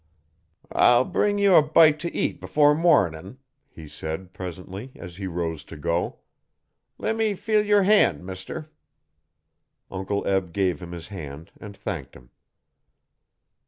'I'll bring you a bite t' eat before morning,' he said, presently, as he rose to go, 'leet me feel o' your han', mister.' Uncle Eb gave him his hand and thanked him.